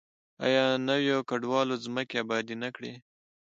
آیا نویو کډوالو ځمکې ابادې نه کړې؟